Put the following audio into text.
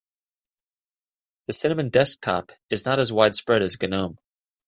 The cinnamon desktop is not as widespread as gnome.